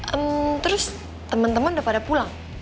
ehm terus temen temen udah pada pulang